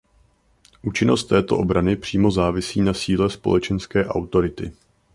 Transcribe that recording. Účinnost této obrany přímo závisí na síle společenské autority.